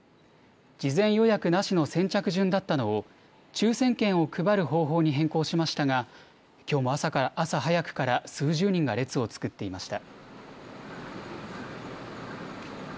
事前予約なしの先着順だったのを抽せん券を配る方法に変更しましたがきょうも朝早くから数十人が列を作っていました。